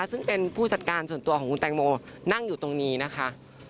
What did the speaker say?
ซึ่งเป็นผู้จัดการส่วนตัวของคุณแตงโมนั่งอยู่ตรงนี้นะคะ